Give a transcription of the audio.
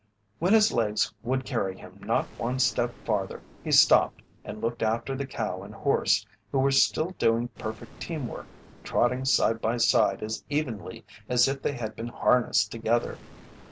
When his legs would carry him not one step farther he stopped and looked after the cow and horse who were still doing perfect team work, trotting side by side as evenly as if they had been harnessed together.